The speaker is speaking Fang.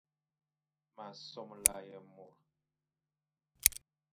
M a somla ye môr.